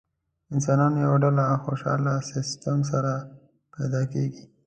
انسانانو یوه ډله خوشاله سیستم سره پیدا کېږي.